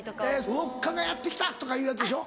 「ウオッカがやって来た！」とかいうやつでしょ。